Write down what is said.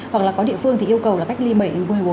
hoặc là có địa phương thì yêu cầu là cách ly mệnh